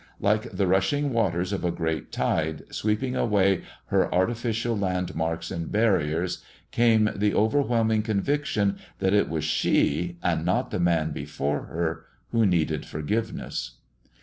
Like the rushing waters of a great tide, sweeping away her artificial landmarks and barriers, came the overwhelming conviction that it was she, and not the man before her, who needed forgiveness.